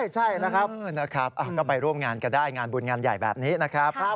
ใช่นะครับก็ไปร่วมงานกันได้งานบุญงานใหญ่แบบนี้นะครับ